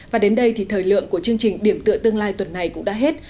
và đến đây thì thời lượng của chương trình điểm tựa tương lai tuần này cũng đã hết